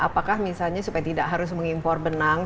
apakah misalnya supaya tidak harus mengimpor benang